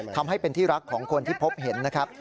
ทำให้เป็นที่รักของคนที่พบเห็นนะครับ